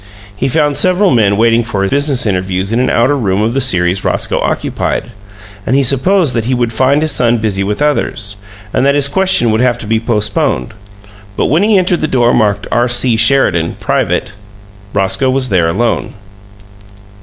He found several men waiting for business interviews in an outer room of the series Roscoe occupied; and he supposed that he would find his son busy with others, and that his question would have to be postponed, but when he entered the door marked "R. C. Sheridan. Private," Roscoe was there alone.